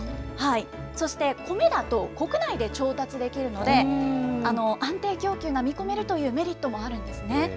そして米だと、国内で調達できるので、安定供給が見込めるというメリットもあるんですね。